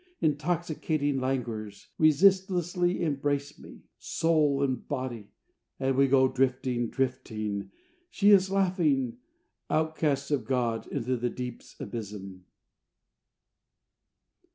Intoxicating languors Resistlessly embrace me, soul and body; And we go drifting, drifting she is laughing Outcasts of God, into the deep's abysm.